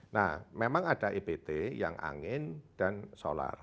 nah memang ada ebt yang angin dan solar